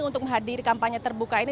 untuk menghadiri kampanye terbuka ini